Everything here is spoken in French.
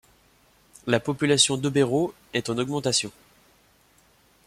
La population d'Oberau est en augmentation.